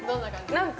何か。